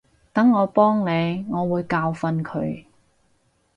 等我幫你，我會教訓佢